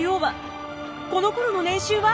この頃の年収は？